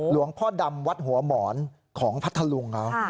หลวงพ่อดำวัดหัวหมอนของพัทธุ์รุงเหรออ่ะ